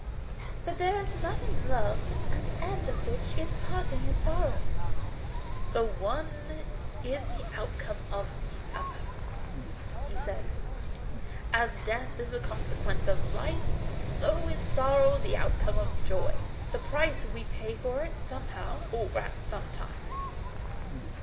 ] FROM OUTSIDE THE WORLD. 69 but there is none in love the end of which is parting and sorrow." " The one is the outcome of the other," he said. "As death is the consequence of life, so is sorrow the outcome of joy, the price we pay for it somehow or at sometime."